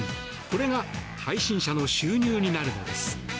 これが配信者の収入になるのです。